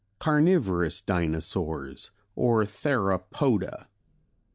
Carnivorous Dinosaurs or Theropoda.